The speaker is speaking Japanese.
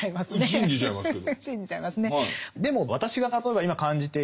信じちゃいますけど。